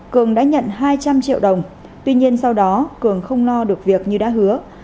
cường đã nhận hai trăm linh triệu đồng tuy nhiên sau đó cường không lo được việc như đã hứa